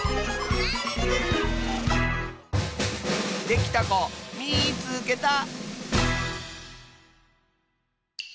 できたこみいつけた！